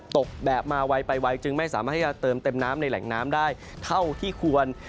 ตกแบบมาไวไปไวจึงไม่สามารถที่จะเติมเต็มน้ำในแหล่งน้ำได้เท่าที่ควร